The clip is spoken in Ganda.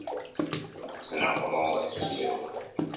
Ennaku zino okomawo nga siriiwo.